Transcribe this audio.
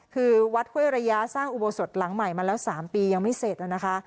คือวัดห้วยระยะสร้างอุโบสถหลังใหม่มาแล้ว๓ปียังไม่เสร็จนะคะ